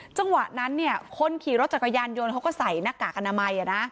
จังหวะนั้นเนี่ยคนขี่รถจักรยานโยนเขาก็ใส่หน้ากากอนามัยอ่ะนะ